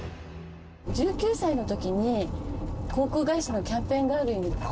１９歳の時に航空会社のキャンペーンガールになって。